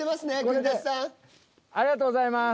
ありがとうございます。